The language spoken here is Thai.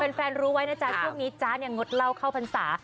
แฟนรู้ไว้นะจ๊ะช่วงนี้จ๊ะเนี่ยงดเหล้าเข้าพรรษา